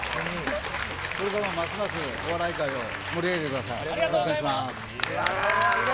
今後もますますお笑い界を盛り上げてください。